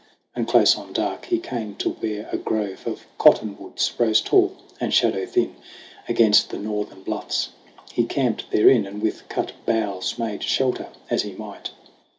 And close on dark he came to where a grove Of cottonwoods rose tall and shadow thin Against the northern bluffs. He camped therein And with cut boughs made shelter as he might.